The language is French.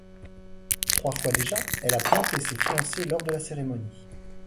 Trois fois déjà, elle a planté ses fiancés lors de la cérémonie.